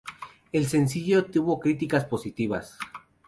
El sencillo tuvo críticas positivas.